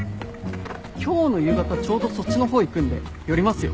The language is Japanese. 今日の夕方ちょうどそっちのほう行くんで寄りますよ。